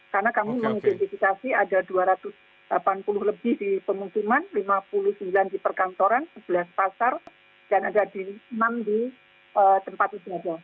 karena kami mengidentifikasi ada dua ratus delapan puluh lebih di pemukiman lima puluh sembilan di perkantoran sebelas pasar dan ada enam di tempat usaha